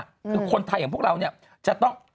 คือคนไทยอย่างพวกเราเนี่ยจะต้อง